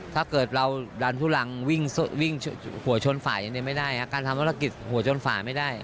ถ้าเกิดเราดันทุรังวิ่งหัวชนฝ่ายไม่ได้ครับการทำธุรกิจหัวชนฝ่ายไม่ได้